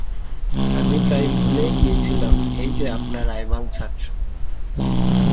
আমি প্রায় ভুলেই গিয়েছিলাম, এইযে আপনার আইভান, স্যার!